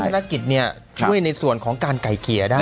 ธุรกิจเนี่ยช่วยในส่วนของการไก่เกลี่ยได้